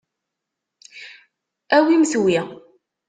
Awimt wi.